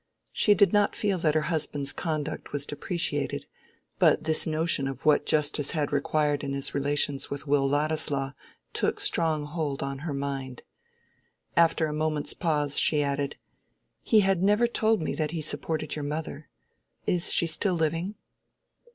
She did not feel that her husband's conduct was depreciated; but this notion of what justice had required in his relations with Will Ladislaw took strong hold on her mind. After a moment's pause, she added, "He had never told me that he supported your mother. Is she still living?"